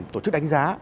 tổ chức đánh giá